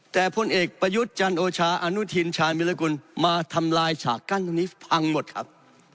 แต่พลเอกประยุทธ์จันโอชาอนุทินชาญวิรากุลมาทำลายฉากกั้นตรงนี้พังหมดครับ